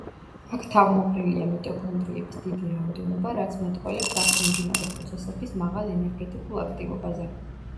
აქ თავმოყრილია მიტოქონდრიების დიდი რაოდენობა, რაც მეტყველებს აქ მიმდინარე პროცესების მაღალ ენერგეტიკულ აქტივობაზე.